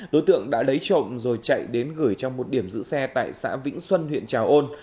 đối tượng đã lấy trộm rồi chạy đến gửi trong một điểm giữ xe tại xã vĩnh xuân huyện trà ôn